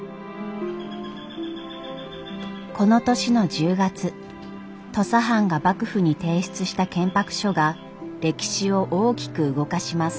この年の１０月土佐藩が幕府に提出した建白書が歴史を大きく動かします。